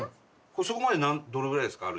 そこまでどのぐらいですか？